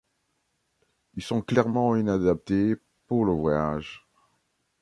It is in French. Ils sont clairement inadaptés pour le voyage.